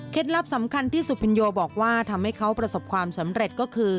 ลับสำคัญที่สุพินโยบอกว่าทำให้เขาประสบความสำเร็จก็คือ